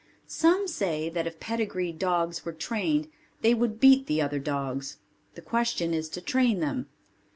Some say that if pedigreed dogs were trained they would beat the other dogs. The question is to train them.